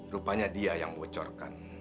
rupanya dia yang mewocorkan